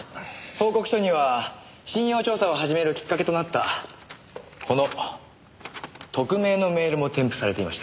報告書には信用調査を始めるきっかけとなったこの匿名のメールも添付されていました。